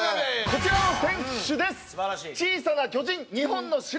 こちらの選手です。